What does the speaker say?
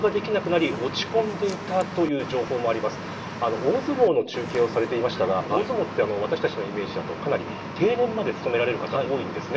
大相撲の中継をされていましたが大相撲は、イメージだと定年まで務められる方が多いんですね。